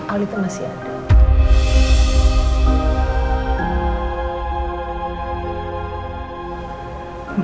awli itu masih ada